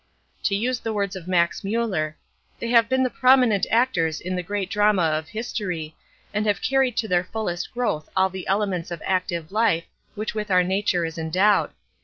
To use the words of Max Müller: "They have been the prominent actors in the great drama of history, and have carried to their fullest growth all the elements of active life with which our nature is endowed.